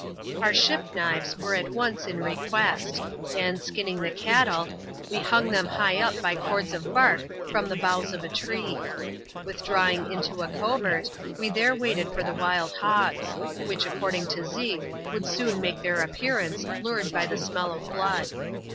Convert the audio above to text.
Our ship knives were at once in request ; and, skinning tbe cattle, we hung them high up by cords of bark from the boughs of a tree. Withdrawing into a covert, we there waited for the wild hogs ; which, according to Zeke, would soon make their appearance, lured by the smell of blood.